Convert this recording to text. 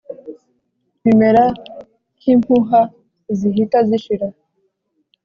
bimera nk’impuha zihita zishira.